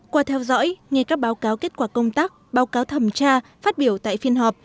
qua theo dõi nghe các báo cáo kết quả công tác báo cáo thẩm tra phát biểu tại phiên họp